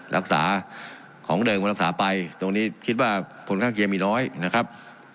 รักษาของเดิมคนรักษาไปตรงนี้คิดว่าผลข้างเคียงมีน้อยนะครับ